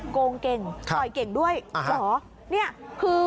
โดยโดยโดยโดย